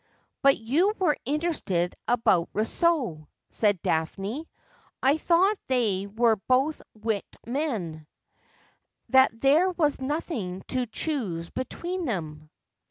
' But you were interested about Rousseau,' said Daphne. ' I thought they were both wicked men — that there was nothing to choose between them.'